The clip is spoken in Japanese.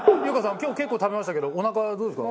今日結構食べましたけどおなかどうですか？